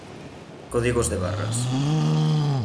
Códigos de barras.